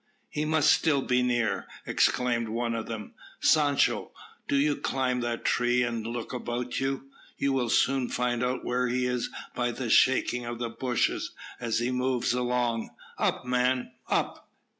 "He must still be near," exclaimed one of them. "Sancho, do you climb that tree and look about you. You will soon find out where he is by the shaking of the bushes as he moves along. Up! man, up!"